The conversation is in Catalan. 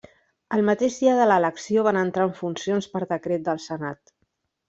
El mateix dia de l'elecció van entrar en funcions per decret del senat.